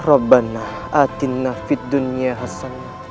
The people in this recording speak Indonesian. rabbana atinna fid dunya hasan